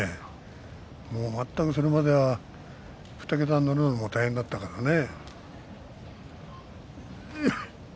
全くそれまで２桁に乗るのも大変だったけどね。